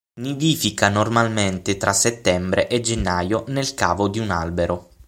Nidifica normalmente tra settembre e gennaio nel cavo di un albero.